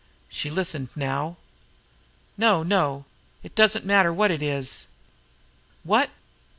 She listened now: "No, no; it does not matter what it is! "What?...